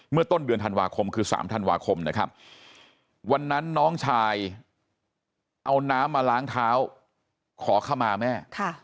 ต้นเดือนธันวาคมคือ๓ธันวาคมนะครับวันนั้นน้องชายเอาน้ำมาล้างเท้าขอขมาแม่